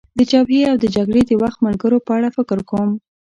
د جبهې او د جګړې د وخت ملګرو په اړه فکر کوم.